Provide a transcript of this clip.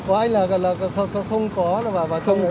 có anh là không có vào trong đấy